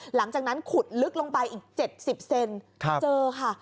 หลังจากนั้นขุดลึกลงไปอีก๗๐เซนเจอค่ะ